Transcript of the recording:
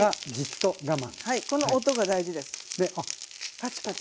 パチパチ。